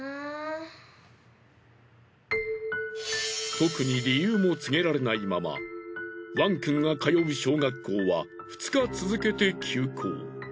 特に理由も告げられないままワンくんが通う小学校は２日続けて休校。